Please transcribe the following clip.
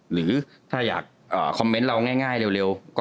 หรือถ้าอยากคอมเมนต์เราง่ายเร็ว